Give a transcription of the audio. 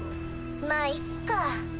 まっいっか。